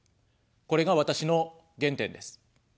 これが私の原点です。